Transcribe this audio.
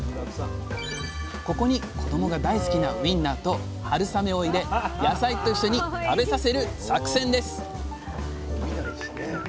ここに子どもが大好きなウインナーと春雨を入れ野菜と一緒に食べさせる作戦です